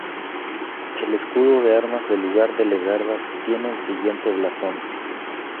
El escudo de armas del lugar de Legarda tiene el siguiente blasón.